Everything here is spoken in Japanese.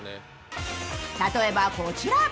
例えばこちら。